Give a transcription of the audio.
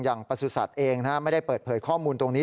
อย่างประสุทธิ์ศัตริย์เองนะฮะไม่ได้เปิดเผยข้อมูลตรงนี้